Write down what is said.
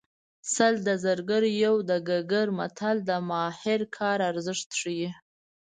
سل د زرګر یو د ګګر متل د ماهر کار ارزښت ښيي